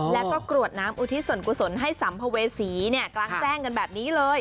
แล้วก็กรวดน้ำอุทิศส่วนกุศลให้สัมภเวษีกลางแจ้งกันแบบนี้เลย